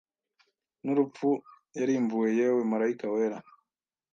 nurupfu yarimbuwe Yewe marayika wera